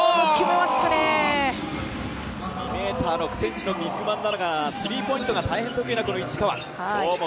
２ｍ６ｃｍのビッグマンながらスリーポイントが大変得意な市川。